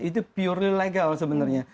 itu purely legal sebenarnya